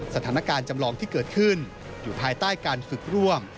จำลองที่เกิดขึ้นอยู่ภายใต้การฝึกร่วม